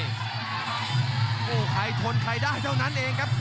เย้กับคู่หนีใครทนใครได้เท่านั้นเองครับ